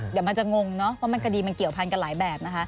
เดี๋ยวมันจะงงว่ามันกระดิ่งเกี่ยวผ่านกับหลายแบบ